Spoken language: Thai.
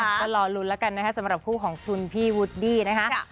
ก็รอลุ้นแล้วกันนะคะสำหรับคู่ของคุณพี่วูดดี้นะคะ